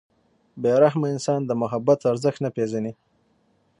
• بې رحمه انسان د محبت ارزښت نه پېژني.